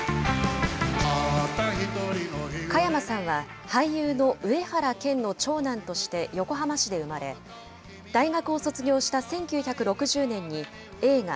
加山さんは、俳優の上原謙の長男として横浜市で生まれ、大学を卒業した１９６０年に映画、